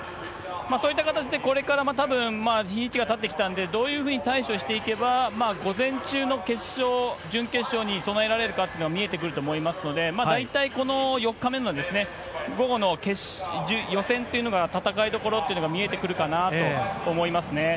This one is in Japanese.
そういった形でこれからたぶん、日にちがたってきたんで、どういうふうに対処していけば、午前中の決勝、準決勝に備えられるかというのが見えてくると思いますので、大体この４日目の午後の予選というのが、戦いどころっていうのが見えてくるかなと思いますね。